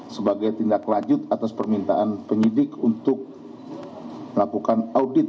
sebagai tindak lanjut atas permintaan penyidik untuk melakukan audit